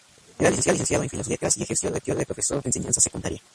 Era licenciado en Filosofía y Letras y ejerció de profesor de enseñanza secundaria.